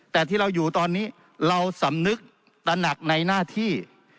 แต่ที่เราอยู่ตอนนี้เราสำนึกตระหนักในหน้าที่